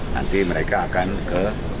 nanti mereka akan ke